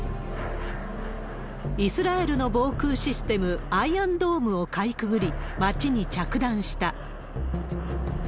イスラエルの防空システム、アイアンドームをかいくぐり、町に着弾した。